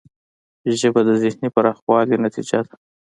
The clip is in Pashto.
ژبه د ذهنی پراخوالي نتیجه ده